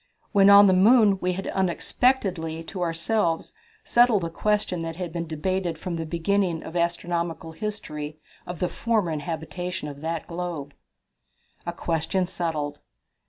When on the moon we had unexpectedly to ourselves settled the question that had been debated from the beginning of astronomical history of the former habitability of that globe. A Question Settled.